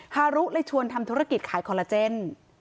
ฮารุเลยชวนทำธุรกิจขายคอลลาเจน